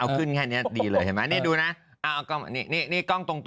เอาขึ้นแค่นี้ดีเลยเห็นไหมนี่ดูนะเอากล้องนี่นี่กล้องตรง